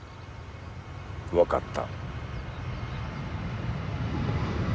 分かった。